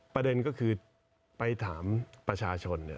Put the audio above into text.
ประเด็นก็คือไปถามประชาชน